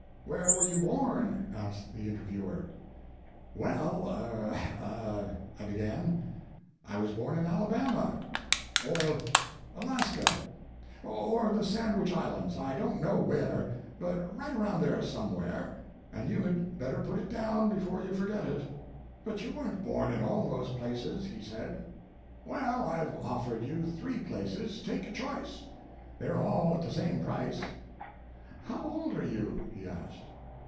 "Where were you born?" asked the interviewer. "Well er a," I began, "I was born in Alabama, or Alaska, or the Sandwich Islands; I don't know where, but right around there somewhere. And you had better put it down before you forget it." "But you weren't born in all those places," he said. "Well, I've offered you three places. Take your choice. They're all at the same price." "How old are you?" he asked.